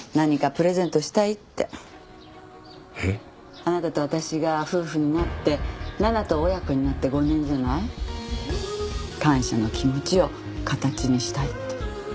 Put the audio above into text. あなたと私が夫婦になって奈々と親子になって５年じゃない？感謝の気持ちを形にしたいって。